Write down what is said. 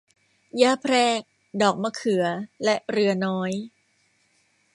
หญ้าแพรก ดอกมะเขือ และเรือน้อย